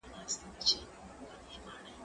کېدای سي سپينکۍ نم وي!.